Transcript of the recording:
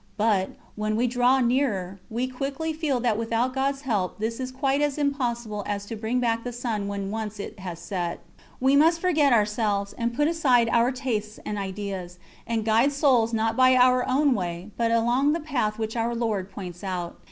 But, when we draw nearer, we quickly feel that without God's help this is quite as impossible as to bring back the sun when once it has set. We must forget ourselves, and put aside our tastes and ideas, and guide souls not by our own way, but along the path which Our Lord points out.